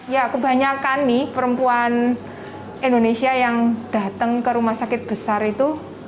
ya kebanyakan nih perempuan indonesia yang datang ke rumah sakit besar itu